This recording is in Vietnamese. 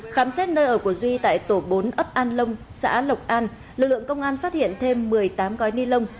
khám xét nơi ở của duy tại tổ bốn ấp an long xã lộc an lực lượng công an phát hiện thêm một mươi tám gói ni lông